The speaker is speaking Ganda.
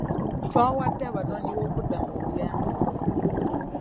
Twawadde abanoonyiboobubudamu obuyambi.